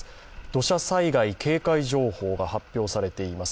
土砂災害警戒情報が発表されています。